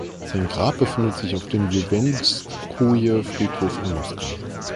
Sein Grab befindet sich auf dem Wwedenskoje-Friedhof in Moskau.